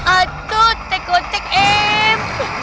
aku takut emang